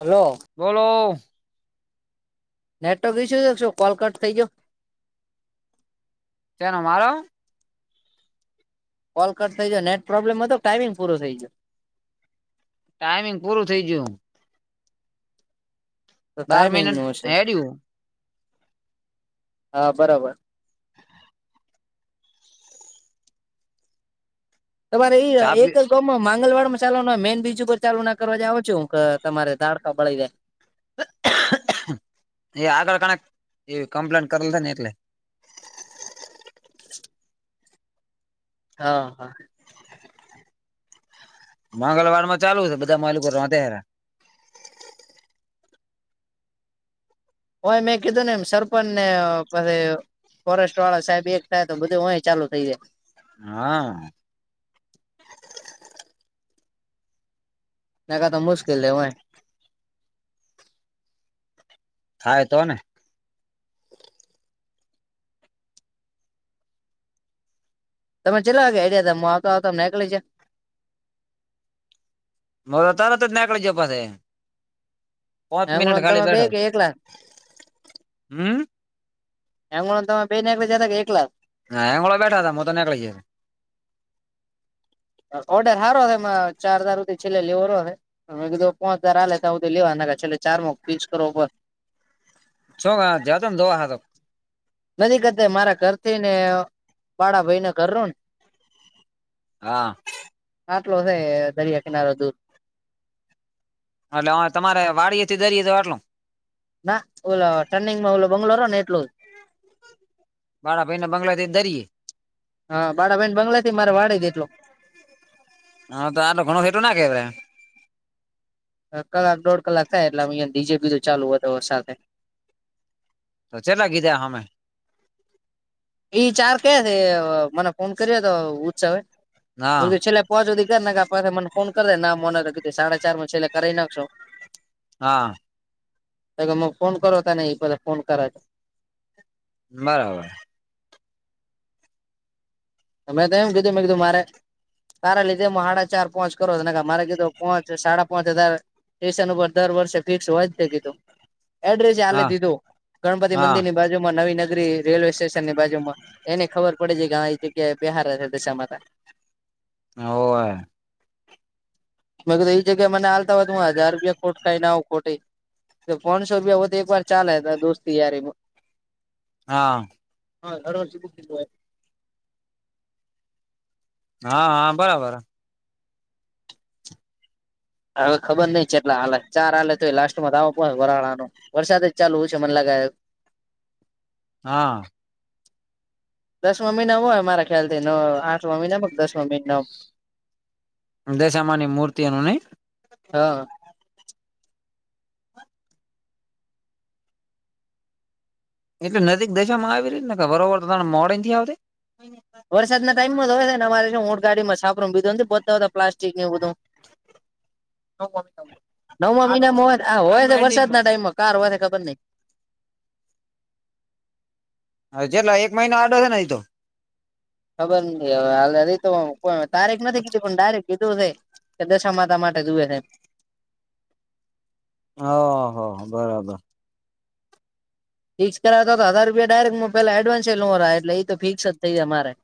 Hello બોલો network ઇ્યુ કોલકટ થઈ ગયો તનો મારો કોલ કટ થઇ જો નેટ પ્રોબ્લેમ હતો તો ટાઈમિંગ પૂરો થઈ ગયો ટાઈમિંગ પૂરું થઈ જયું તો બાર ટાઈમિંગ મિનિટ નું છે હેડયું હા બરાબર તમારે એ ચા એક પી ક ંગલવા ચાલવા હોય મેન બ્રિજ ઉપર ચાલુ ના કરવા જ આવ છો હું તમારે દાડકા બળી જાય એ આગળ કણે એ કમ્પ્લેન કરેલ છે ને એટલે હ હા હા મંગળવાર માં ચાલુ છે બધા માલ અાર હોય મેં કીધું ને એમ સરપંચ ને પછી ફોરેસ્ટ વાળા સાહેબ એક થાય તો બધું હોય ચાલુ થઈ જાય હા ના કા તો મુશ્કેલ છે હોય ખાય તો ને તમે ચલા્યા આડિયા ત આવતો આવતા તમ નીકળી જ મગ તાર તો નાકળ જ પાસે પાંચ હેંગળો મિનટ તમે ખાલી બે બેઠો કે એકલા હમ એમ તમે બે ને એક જ હતા કે એકલાખ હ એંગળ બેા હતા મ તો નીકળી ઓર્ડર સારો હશે ચાર હજાર રધથી છેલ્લે લેવાોનોો હશે મે કીધું પા પોચ હજાલે તોધ તો લેવા નાખે છેલ્લે ચાર મો ફીસ કરો છો જદમ દો હા તો નદીકત મારા ઘર થી ને બાળા ભાઈ ને કરું ને હા. આટલો હે દરિયા કિનારો દૂર એટલે અ તમારે વાડી થી દરીએ જ એટલુ ના ઓલ ટર્નિંગ માં ઓલ બંગ્લોરો ને એટલો બાડા ભાઈને બંગ્લાય થી દરીએ હા બાડા બેેન બંગલા થી મારે વાળી દે એટલો હા તો આ ઘણો હેટો ના કેે કલાક દોઢ કલાક થાય એટલે અયા ડીજે બીધું ચાલુ હતો સાથે તો ચેલા કીધા હામે એ ચાર કે અ મને ફોન કર્યો તો હા ઉત્સવે છેલ્લે પચોદી કર નાખા પાહી મને ફોન કરે ના મને સાડા ચાર માં છેલ્લે કરી નાખશો હા. તય ગમ ફોન કરો ત ને એ બધા ફોન કરાવ બરાબર. તમે તો એમ કીધું મેં કીધું મારે તારા લીધે મ સાડા ચાર પોચ કરોને મારે કીધું પોંચ સાડા પોચ હજાર સ્ટેશન ઉપર દર વર્ષે ફિક્સ હોય જ છે કીધું એડ્રેસ ચાલે હા દીધું ગણપતિ હા મંદિર ની બાજુમાં નવી નગરી રેલવે સ્ટેશનની બાજુમાં એને ખબર પડે છે કે હ એ જગ્યા બિહારે છે દશા માતા ઓ હે મેં કીધું એ જગ્યા મને હાલતા હોય તો હુ હજાર રૂપિયા ખોટ ખાઈ ને આવ ખોટે તો પાણસો રૂપિયા વધે એક વાર ચાલે હતા દોસ્તી યારીમાં હા. હા હરહર [unintelligible] હા હા બરાબર. હવે ખબર નઈ ચેટલા હાલે ચાર હાલે તોય લાસ્ટમાં આવો પ વરાળાનો વરસાદ જ ચાલુ છે, મને લાગે હા. દસમા મહિના હોય મારા ખ્યાલથી નો આઠમા મહિના દસમા મહિના દશામાની મૂર્તિ નુ નઈ હા. એટલે નજીક દસવામાં આવી રેને બરોબર ત મોડથી આવતે વરસાદ ના ટાઈમમાં જ હોય [unintelligible] પ્લાસ્ટિક નેવું બધું નવમા મહિનામાં હોય હોય વરસાદ ના ટાઈમમાં કાર હોય છે, ખબર નઈ હ જેટલા એક મહિનો આડો છે, એતો ખબર ની હવે હાલે તો તારીખ નથી કીધી પણ ડાયરેક કીધું છે. કે દશા માતા માટે જુએ છે. હ હ બરાબર. ફિક્સ કરાવતા હતા હજાર રૂપિયા ડાયરેક્ટ પેલા એડન્સ એ એટલે એ તો ફિક્સ જ થઈ જાય મારે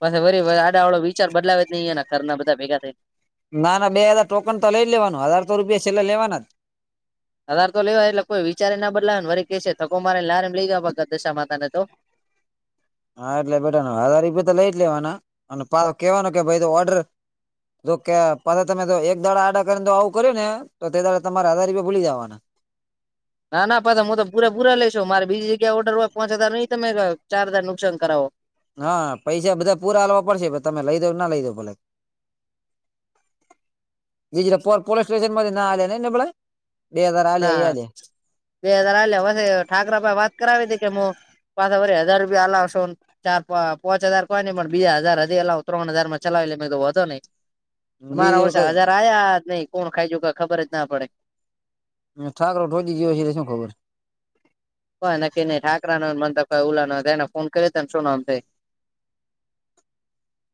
પછ વરી આડા અવળો વિચાર બદલાવે જ નહીના કરના બધા ભેગા થાય ના ના બે હજાર ટોકન તો લઈ લેવાનું હજાર તો રૂપિયા છેલ્લા લેવાના જ અધાર તો લેવાય એટલે કોઈ વિચ ના બદલા નેરી કે થકો મારેને લાર એને લઈ દેવા ભગત દશા માતા ને તો હા એટલે બેટા હજાર રૂપિયા તો લઈ જ લેવાના અને કેવાનું કે ભાઈ તો ઓર્ડર જોકે પલા તમે ત એક દડા આડા કરીને તો આવું કર્યું ને તો તે દાડા તમારે હજાર રૂપિયા ભૂલી જવાના ના ના પદમ હું તો પૂરા પૂરા લઈશું મારે બીજી જગ્યા ઓર્ડર હોય પાંચ હજાર નઈ તમે ચાર હજાર નુકાસાન કરાવો હા પૈસા બધા પૂરા હાલવા પડશે તમે લઈ દો ના લઈ દો ભલે જીજરે પોર પોલીસ સ્ટેશન માથી ન આવે ને નીબળા ના બે હજાર હાલે ઠાકરા ભાઈ વાત કરાવી હતી કે હું પાછા વરી હજાર રૂપિયા આલા આવશો ચાર પ પોંચ હજાર કોય નઈ પણ બીજા હજાર હજી એટલા ત્રણ હજાર માં ચલાવે લે મે તો હતો નઈ તમારા બીજી ઓસા વખત હજાર આયા નઈ કોણ ખાઈ જુ ખબર જ ના પડે ઠારોઢોઈ ગયો છે એલે શું ખબર કોઈ ન નહી ઠાકરા ન મર કોઈ ઉલા ન એને ફોન કરને શું નામ થાય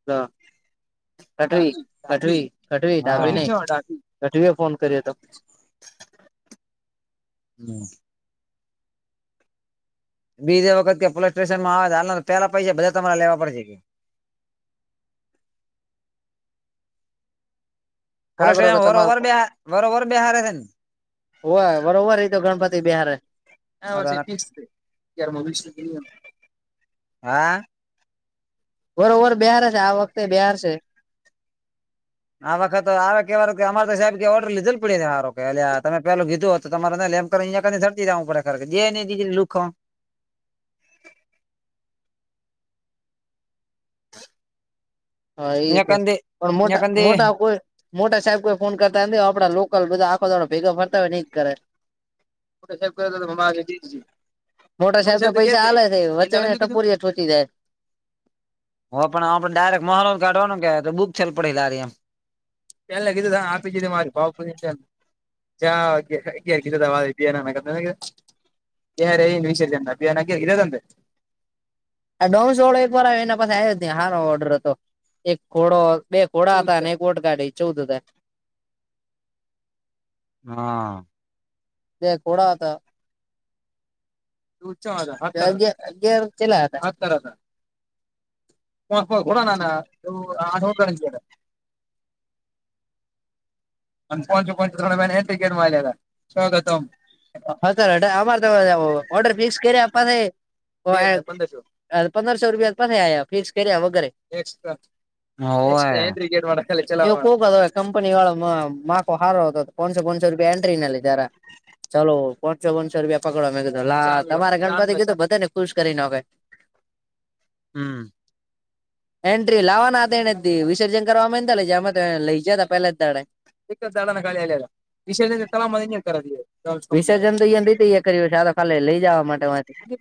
હ આઠવી આઠવી કઢવી ડાબી હા નહી કઢવી એ ફોન કર્યો હતો હમ્મ બીજે વખતે કે પોલીસ સ્ટેશનમાં આવે પેલા પૈસા બધા તમારે લેવા પડે કે પોલીસ ઠાકરો કે સ્ટેશન વરો ઓવર બે વરવર બે હારે છે ને હો બરોબર એ તો ગણપતિ બિહારે વ ફિકસ યાર મી હા બરોબર બિહાર હ છે આ વખતે બિહાર છે આ વખતે આવે કેવા અમારે તો સાહેબ ઓર્ડર લીધેલ પડીે સારો કે એ તમેેું કીધું તો તમારેને લેમ કર ક ધરતી દ ઉપ કર જે એને લુક [unintelligible] હા એી અહીંયા છે કંદી પણ ત્યાં મોટા કંદી મોટા કોઈ મોટા સાહેબ કોઈ ફોન કરતા હોય આપડા લોકલ બધા આખો દ ભેગા ફરતા હોય નહી જ કરે [unintelligible] ે‌ મોટા સાહેબમાં પૈસાાલે છે વચપોરીટી જાય હ પણ આપણે ડાયરેક્ટ મહા કાઢવાનું કે બુક છેલ્લ પડેલા એમ એને કીધું આપી જી મારી ભ જા ઘ દવા લેધ એના ક એ હારે એ વિશષ જ અભિયાન એ રહ તંતે આ ડોમસોળો એક વાર એના પાસે આવ્યો ત હારો ઓર્ડર હતો એક ખોડો બે ખોડા હતા અને એક ગોટ ગાઢી ચૌદ હતા હા એ ખોડા હતા અગિયાર કેલા હતા હતા હ કોડા નાંગ અને કોન છે કોન છે થોડા મે ગેટ માલાવાગતમ હા સર અમારે તો ઓર્ડર ફિક્સ કર્યા આપવા પંદો પંદરસો રૂપિયા પાછ્યા ફિક્સ કર્યા વગરે હોય કંપની વાળ માખ હારો હતોનસો પાચસો રૂપિયા એન્ટ્રી નાને લે જરા ચાલલો પોચસો પાંચસો રૂપિયા પકડવા મેં કીધો લા તમારે ગણપતિ કીધું બધે ને ખુશ કરીને હોે હમ્મ એન્ટ્રી લાવવાના હતા એને વિસર્જન કરવા તા લમે તો લઇ જયાતા પેલા જ દાડે ચાડા ગાલી લ વિશ તલામમાં ની કર વિસર્જન તો અહ ન કર્યું છે ખાલી લઈ જવા માટેથી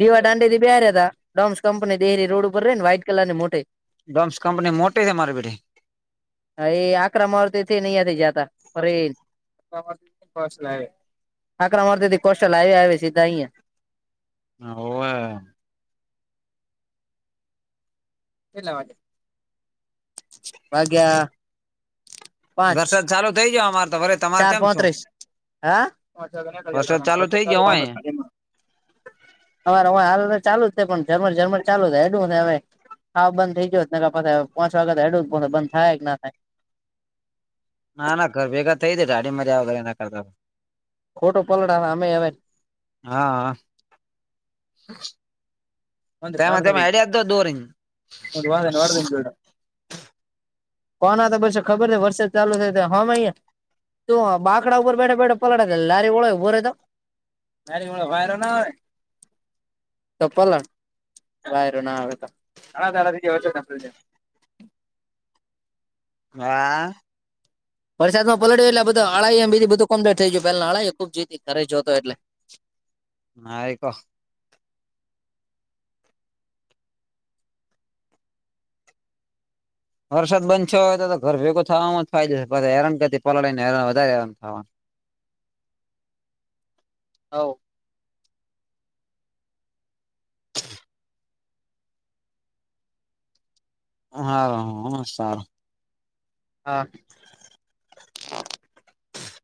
દીવા દાંડીથી બાર હતા ડોમ્સ કંપની દેરી રોડ ઉપર રે ને વ્હાઈટ કલર ને મોટે ડોમ્સ કંપની મોટટીઈ મારે બેડી અ એ આ ક્રમ વર્ નહી જતા [unintelligible] આકરા મારતીથી કોસ્ટલ આવેયા આવે સીધા અહીંયા. હા. [unintelligible] કેટલા વાગ્યે અલ્યા વરસાદ ચાલુ થઇ જ અમારે તોરે- ચાર પત્રીસ, હા? વરસાદ ચાલુ થઇ ગયો હોય અમાર હવ હાલ ચાલુ જ છે પણ ઝરમર ઝરમર ચાલુ થાય એડું હવે હા બંધ થઈ ગયો ને પાછ પાંચ વાગ્યા તો એડું જ બંધ થાય કે ના થાય. ના ના ઘર ભેગા થઈ જ ઠાડી મજા વગર ના કરતા. ખોટો પલડા અમે હવે હા. તેમાં તમે આઈડિયા દો દોરી. કોના તો બસ ખબર હે વરસાદ ચાલુ થાય ત હમે અહં તું બાકડા પર બેઠા બેઠા પલળે છે, લારી ઓળે ઉભોરે તો. ના થી મારો વારો ન આવે, તો પલળ. બૈરું ના આવે તો [unintelligible] હા. વરસાદમાં પલટ્યું એટલે બધુ અળાઈ એ બીધું કોમલિટ થી ગય પેલા અળાઈ એ ખુબ જતી ખરે જ જોતો એટલે. નાઆઈકો? વરસાદ બંધ થયો તો ઘર ભેગું થવામાં જ ફાયદો પણ હેરન કરતી પલાળડી ને હે વધારે હેમ થવાનું. હવ. હા, હા સારું. હા.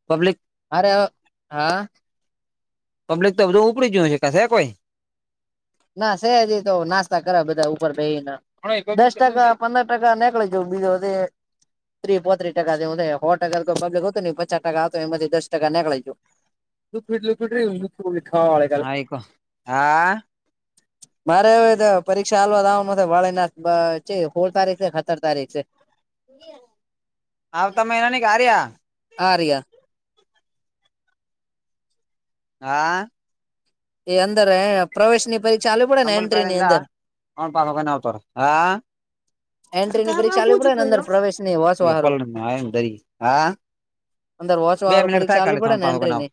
પબ્લિક હારો, હા. પબ્લિક તો બધું ઉપડી જોયું છેશે છે કોઈ? ના સેજી તો નાસ્તા કર બધા ઉપર બેહીને. દસ ટકા પંદર ટકા નીકળી જવું બીજું જે ત્રીસ પોત્રી ટકા દવું હો ટકા તો પગલે હતુંને પચાસ ટકા હતો એમાંથી દસ ટકા નીકળી ગયું. તું ફીટ લુરી રું. તું ભી ખાવા વાળી. હા આઈકો, હા. મારે હવે પરીક્ષા હાલવા દવા વાળી ના કઈ તારીખ છે સોલ તારીખ છે કે સત્તર તારીખ છે. [inaudible] આવતા મહિનાની કે આર્યા આ? આરયા. હા. એ અંદર પ્રવેશની પરી અંબલ પેરંદા અ પવન આવતો હા. એન્ટ્રી ની પરીક્ષા આલવી પડે ને અંદર [unintelligible] પ્રવેશ ની ઓલો વાંચવા હારું પલંગમાંરી હા. અંદર વાંચવા બે હારું મિનિટ પરીક્ષા થાય આલવી ખાલી પડે ત્રણ ને પાચ વગ, એન્ટ્રી ની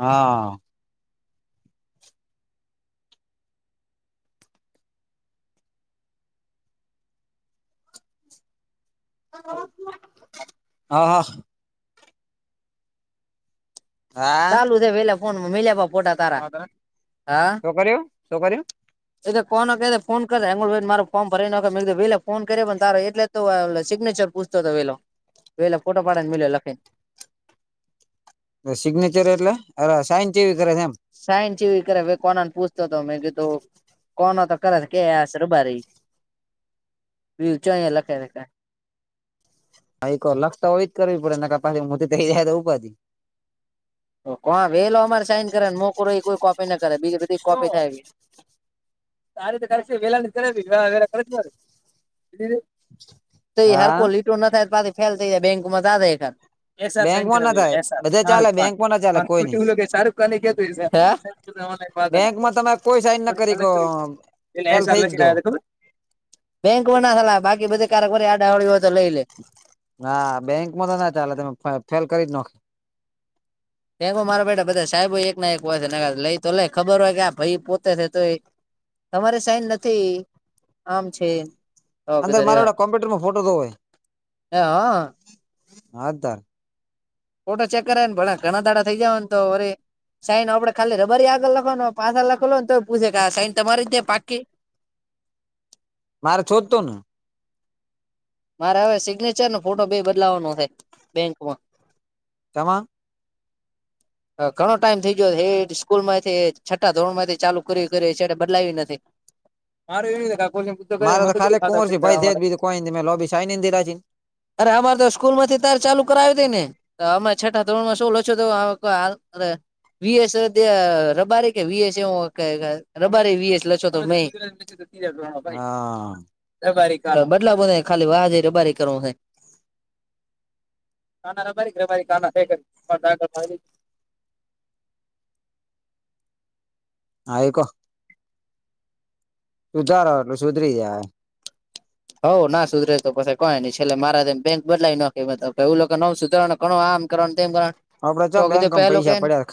હા. હા. હા ચાલુ છે પેલા ફોનમાં માલ્યા હતા ફોટા તારા. શો કર્યું, શું કર્યું? એતલે કોનો કરે ફોન કરે એમ મારો ફોમ ભરીને લે [unintelligible] ફોન કરી પણ તાર એટલે તો ઓલ સીગ્નેચર પૂછતો હતો પેલો વહેલા ફોટો પાડ ને મ્યો લખે. સિગ્નેચર એટલે અરે સાઈન કેવી કરે છે એમ? સાઈન ચવી કરે કોનાને પૂછતો હતો મેં કીધું કોનો તો કે કર કે એસ રબારી કે એને લખે. હવે તો લખતા હોય તો બરા નહી તો પહી ઉપાદી. કોણ વેલો અમારે સાઈન કરે ને મોકો એ કોઈ કોપી ના કરે બીજી બધી કોપી થાય. તારે તો [unintelligible] પેલા તો કરાવી [inaudible] તો એ હા હારકો લીટો ના થાય પાછો ફેલ થઈ જાય બેંક માં જા તઈ થાત. એસ આર સૈન બેંકમાં ના કરલા થાય એ સાર બધા ચાલે શારૂખ ખાાન. બેંકમાં ના ચાલે કોઈ નઈ એવું શાહરુખ ખાનાની કેતું [inaudible] થોડી બેંકમાં તમે કોઈ સાઈન ના અલગ કો કરી. ફેલ થઈ જ દો [inaudible] બેંક ના હલાવે બાકી બધુ કારક આડા હવળું હોય તો લઈ લે હા બેંકમાં તો ના ચાલે તમે ફેલ કરી જ નખ કે મારો બેટા બધા સાહેબો એક ના એક હોય છેને લઈ તો લઈ ખબર હોય કે આ ભાઈ પોતે છે તો તમારી સાઈન નથી આમ છે. તો અંદર કીધું મારેઓલ રેવાય કોમ્પ્યુટરમાં ફોટો જોવો હા [unintelligible] ફોટો ચેક કરે ને ભલે ઘણા દાડા થઇ જવાને તોવરી સાઈન આપડે ખાલી રબારી આગળ લખવા પાછળ લખવાને તો પૂછે કે સાઈન તમારી જ છે ને પાકી મારે છોડતો ની મારે હવે સિગ્નેચર ન ફોટો બે બદલાવાનો થાય બેંકમ ત [unintelligible] હ ઘણો ટાઈમ થઇ ગયો હે સ્કૂલ માંથી છઠ્ઠા ધોરણ માંથી ચાલુ કર્યુ ઈ કર્યુ સેટર બદલાવ્યુ નથી [inaudible] મારે તો ખાલી ખાતા કુંવર પેટ છે ભાઈ કરવા જે માટે બીજુ કોઈ [unintelligible] અરે અમારે તો સ્કૂલ માંથી તાર ચાલુ કરાવી તને તો અમે છઠા ધોરણમાં [inaudible] [inaudible] વી એસ તે રબારી કે વી એસ કે રબારી વી એસ લખસો તો નહી [inaudible] હા ભ રબારી બદલા બો ખાલી વાહ જ રબારી કરવા કાના રબારી રબારી કાના બેય [inaudible] [inaudible] ક સુધારો એટલે સુધરી જાય હઉ ના સુધરે તો પછ કોઈ નઈ છેલ્લે મારા બેંક બદલાઈ નાખ એવું લોકો નવ સુધરવા પણ આમ કરવાનું તેમ કરવા આપડે ક્યાં બેંકમાં પૈસા પડ્યા ખા